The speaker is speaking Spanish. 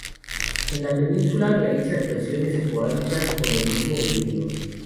En la Península realiza actuaciones esporádicas con el mismo vehículo.